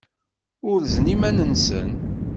Urzen iman-nsen.